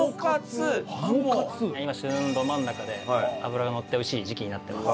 今旬のど真ん中で脂がのって美味しい時期になってます。